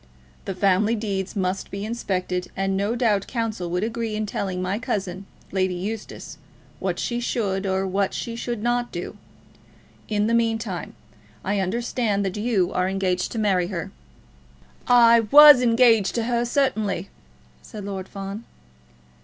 The family deeds must be inspected, and no doubt counsel would agree in telling my cousin, Lady Eustace, what she should, or what she should not do. In the meantime, I understand that you are engaged to marry her?" "I was engaged to her, certainly," said Lord Fawn.